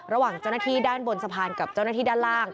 ระหว่างเจ้าหน้าที่ด้านบนสะพานกับเจ้าหน้าที่ด้านล่าง